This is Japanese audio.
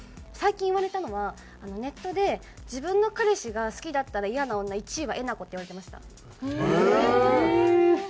最近言われたのはネットで「自分の彼氏が好きだったらイヤな女１位はえなこ」って言われてました。